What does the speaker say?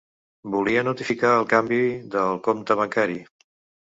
Volia notificar el canvi de el compte bancari.